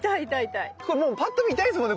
これもうぱっと見痛いですもんね